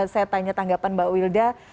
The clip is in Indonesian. saya tanya tanggapan mbak wilda